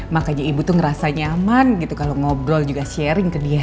makanya ibu tuh ngerasa nyaman gitu kalau ngobrol juga sharing ke dia